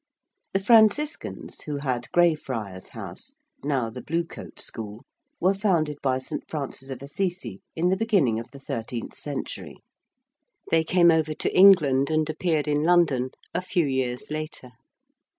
The Franciscans, who had Grey Friars House, now the Bluecoat School, were founded by St. Francis of Assisi in the beginning of the thirteenth century. They came over to England and appeared in London a few years later.